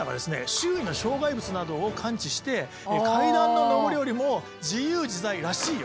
周囲の障害物などを感知して階段の上り下りも自由自在らしいよ。